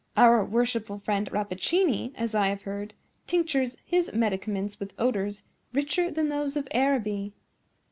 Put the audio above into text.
Our worshipful friend Rappaccini, as I have heard, tinctures his medicaments with odors richer than those of Araby.